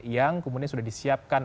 yang kemudian sudah disiapkan